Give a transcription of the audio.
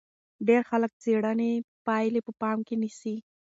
ډېر خلک د څېړنې پایلې په پام کې نیسي.